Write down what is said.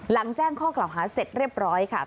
แจ้งข้อกล่าวหาเสร็จเรียบร้อยค่ะ